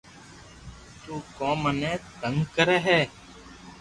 تو ڪو مني تنگ ڪري ھي